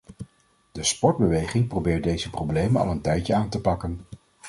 De sportbeweging probeert deze problemen al een tijd aan te pakken.